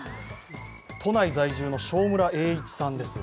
都内在住の庄村栄一さんです。